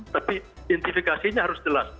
tapi identifikasinya harus jelas